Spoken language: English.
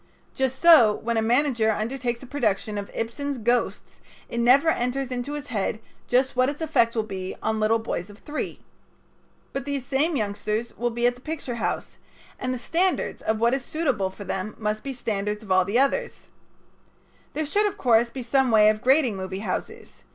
Just so when a manager undertakes a production of Ibsen's "Ghosts" it never enters into his head just what its effect will be on little boys of three. But these same youngsters will be at the picture house, and the standards of what is suitable for them must be standards of all the others. There should, of course, be some way of grading movie houses.